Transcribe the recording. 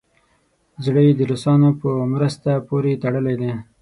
زړه یې د روسانو په مرستو پورې تړلی دی.